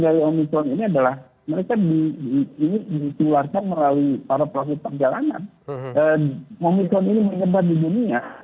dari omicron ini adalah mereka di ini dikeluarkan melalui para pelaku perjalanan omicron ini menyebabkan